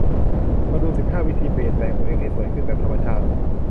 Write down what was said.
มาดู สิบห้า วิธีเปลี่ยนแปลงตัวเอง ให้สวยขึ้นแบบธรรมชาติ